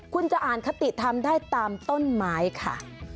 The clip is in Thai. คุณจะอ่านคติธรรมได้ตามต้นไม้ค่ะ